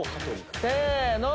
せの。